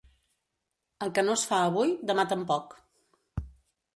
El que no es fa avui, demà tampoc.